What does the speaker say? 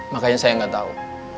makanya saya gak tau